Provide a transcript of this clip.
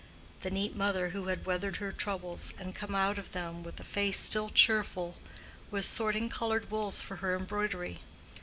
The neat mother who had weathered her troubles, and come out of them with a face still cheerful, was sorting colored wools for her embroidery.